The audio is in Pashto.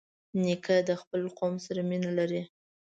نیکه د خپل قوم سره مینه لري.